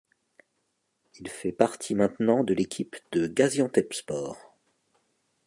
Il fait partie maintenant de l'équipe de Gaziantepspor.